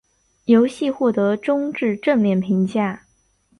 游戏获得中至正面评价。